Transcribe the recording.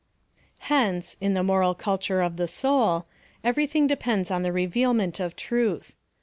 Hence, in the moral culture of the soul, every thing depends on the revealment of truth.